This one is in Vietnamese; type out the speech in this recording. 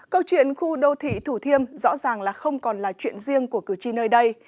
câu chuyện khu đô thị thủ thiêm rõ ràng là không còn là chuyện riêng của cử tri nơi đây